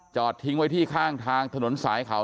จอดทิ้งไว้ที่ข้างทางถนนสายเขา